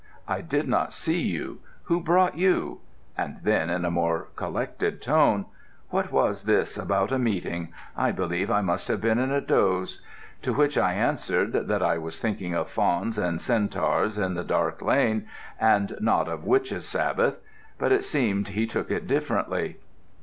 I did not see you. Who brought you?' And then in a more collected tone, 'What was this about a meeting? I believe I must have been in a doze.' To which I answered that I was thinking of fauns and centaurs in the dark lane, and not of a witches' Sabbath; but it seemed he took it differently.